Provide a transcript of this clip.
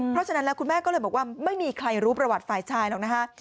เพราะฉะนั้นแล้วคุณแม่ก็เลยบอกว่าไม่มีใครรู้ประวัติฝ่ายชายหรอกนะฮะ